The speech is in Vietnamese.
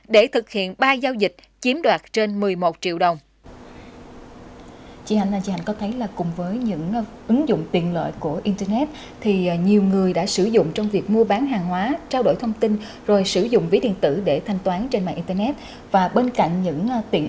để thực hiện ba giao dịch chiếm đoạt trên một mươi một triệu đồng